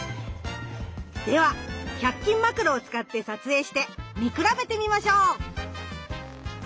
では１００均マクロを使って撮影して見比べてみましょう！